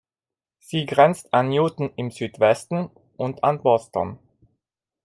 Sie grenzt an Newton im Südwesten und an Boston.